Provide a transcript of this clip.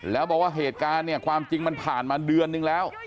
แล้วบอกว่าเหตุการณ์เนี่ยความจริงมันผ่านมาเดือนนึงแล้ว